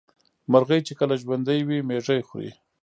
مرغۍ چې کله ژوندۍ وي مېږي خوري.